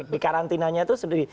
di karantinanya itu sendiri